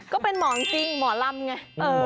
ก็เป็นหมอจริงหมอลำไง